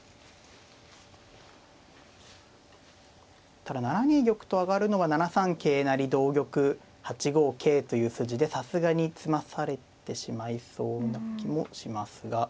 ただ７二玉と上がるのは７三桂成同玉８五桂という筋でさすがに詰まされてしまいそうな気もしますが。